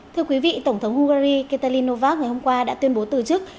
thưa quý vị tổng thống hungary katalin novak ngày hôm qua đã tuyên bố từ chức